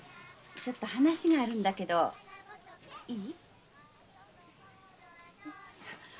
ちょっと話があるんだけどいい？